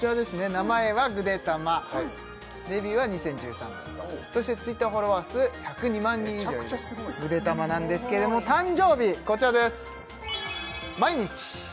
名前はぐでたまデビューは２０１３年とそしてＴｗｉｔｔｅｒフォロワー数１０２万人以上いるぐでたまなんですけども誕生日こちらです毎日？